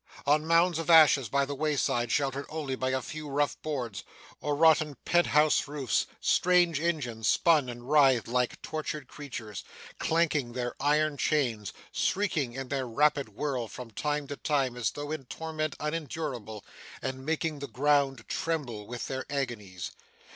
On mounds of ashes by the wayside, sheltered only by a few rough boards, or rotten pent house roofs, strange engines spun and writhed like tortured creatures; clanking their iron chains, shrieking in their rapid whirl from time to time as though in torment unendurable, and making the ground tremble with their agonies.